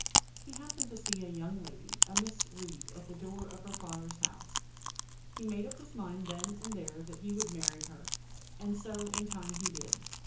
He happened to see a young lady, a Miss Read, at the door of her father's house. He made up his mind then and there that he would marry her; and so in time he did.